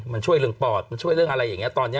มันช่วยเรื่องปอดมันช่วยเรื่องอะไรอย่างนี้ตอนนี้